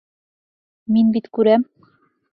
Мин бит күрәм!